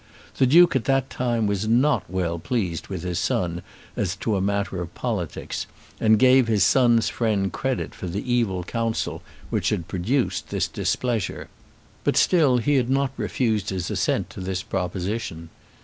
The Duke at that time was not well pleased with his son as to a matter of politics, and gave his son's friend credit for the evil counsel which had produced this displeasure. But still he had not refused his assent to this proposition.